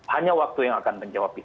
hanya waktu yang akan menjawab itu